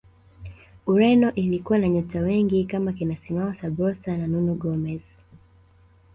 ureno ilikuwa na nyota wengi kama kina simao sabrosa na nuno gomez